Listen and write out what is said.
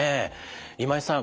今井さん